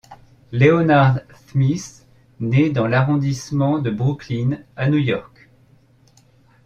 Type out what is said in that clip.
Leonard Smith né dans l'arrondissement de Brooklyn à New York.